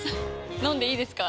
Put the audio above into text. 飲んでいいですか？